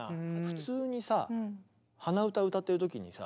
普通にさ鼻歌歌ってる時にさ